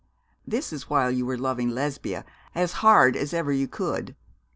'This was while you were loving Lesbia as hard as ever you could.